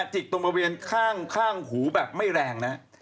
จิกตรงบริเวณข้างหูแบบไม่แรงนะ